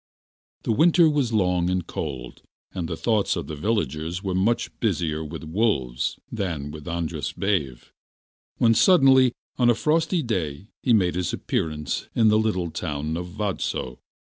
The winter was long and cold, and the thoughts of the villagers were much busier with wolves than with Andras Baive, when suddenly, on a frosty day, he made his appearance in the little town of Vadso.